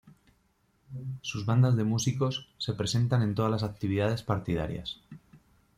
Sus bandas de músicos se presentan en todas las actividades partidarias.